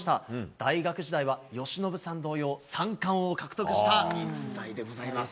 大学時代は由伸さん同様、三冠王を獲得した逸材でございます。